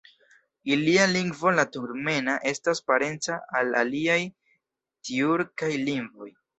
Ilia lingvo, la turkmena, estas parenca al aliaj tjurkaj lingvoj.